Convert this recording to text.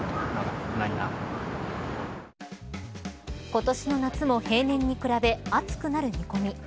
今年の夏も平年に比べ暑くなる見込み。